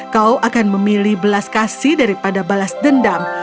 kau akan memilih belas kasih daripada balas dendam